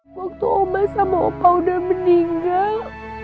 waktu om bas sama opa udah meninggal